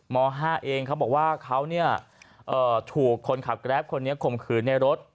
ม๕เองเขาบอกว่าเขาถูกคนขับแกรปคนนี้ข่มขืนในรถ